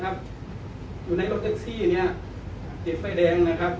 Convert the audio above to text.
คือการอยู่ไฟแดงครับ